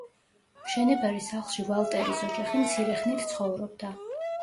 მშენებარე სახლში ვალტერის ოჯახი მცირე ხნით ცხოვრობდა.